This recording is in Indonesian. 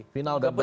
final dan bandi